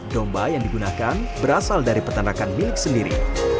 domba yang digunakan berasal dari peternakan milik sendiri